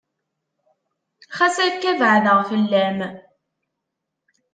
Xas akka beɛdeɣ fell-am.